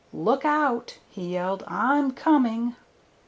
"Look out!" he yelled, "I'm coming."